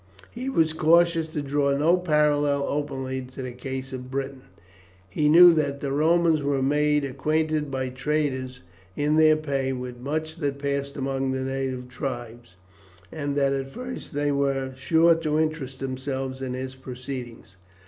He was cautious to draw no parallel openly to the case of Britain. He knew that the Romans were made acquainted, by traitors in their pay, with much that passed among the native tribes, and that at first they were sure to interest themselves in his proceedings.